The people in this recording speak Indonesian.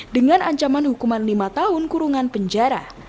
dengan ancaman hukuman lima tahun kurungan penjara